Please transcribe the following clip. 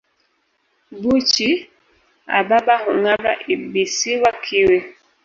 Buchi a baba hung'ara ibisiwa kiwi